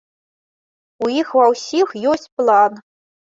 У іх ва ўсіх ёсць план!